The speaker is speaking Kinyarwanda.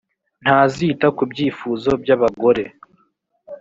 ntazita ku byifuzo by abagore